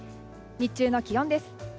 日中の気温です。